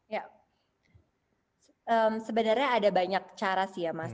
ya sebenarnya ada banyak cara sih ya mas